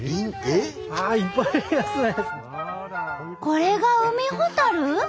これがウミホタル？